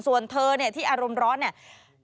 ส่วนเธอที่อารมณ์ร้อนนี่